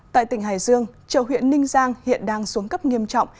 tại tỉnh hải dương chợ huyện ninh giang hiện đang xuống cấp nghiêm trọng